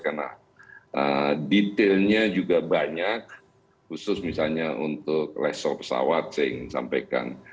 karena detailnya juga banyak khusus misalnya untuk lesor pesawat saya ingin sampaikan